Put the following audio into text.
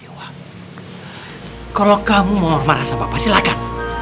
dewa kalo kamu mau marah sama papa silakan